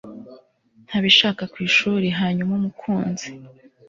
ntabishaka ku ishuri. hanyuma umukunzi